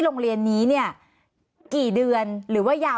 มันเป็นอาหารของพระราชา